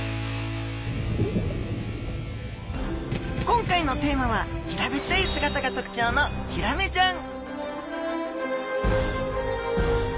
今回のテーマは平べったい姿がとくちょうのヒラメちゃん！